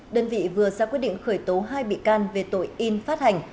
đơn vị vừa ra quyết định khởi tố hai bị can về tội in phát hành